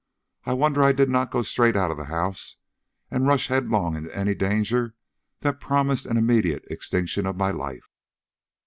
I wonder I did not go straight out of the house and rush headlong into any danger that promised an immediate extinction of my life."